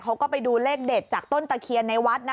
เขาก็ไปดูเลขเด็ดจากต้นตะเคียนในวัด